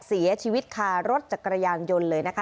เสียชีวิตคารถจักรยานยนต์เลยนะคะ